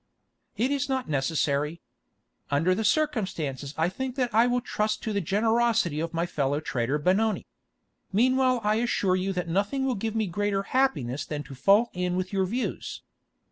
"It is not necessary. Under the circumstances I think that I will trust to the generosity of my fellow trader Benoni. Meanwhile I assure you that nothing will give me greater happiness than to fall in with your views.